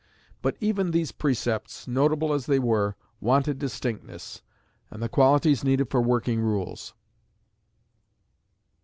But even these precepts, notable as they were, wanted distinctness, and the qualities needed for working rules.